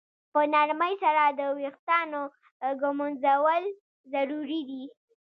په نرمۍ سره د ویښتانو ږمنځول ضروري دي.